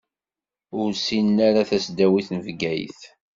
Ur ssinen ara tasdawit n Bgayet.